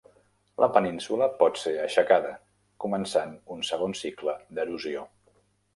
La península pot ser aixecada començant un segon cicle d'erosió.